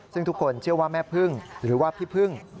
ซึ่งทุกคนเชื่อว่าแม่พึ่งหรือว่าพี่พึ่ง